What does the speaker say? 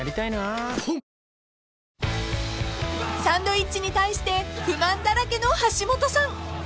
［サンドイッチに対して不満だらけの橋本さん］